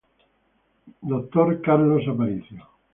Dt: Carlos Aparicio.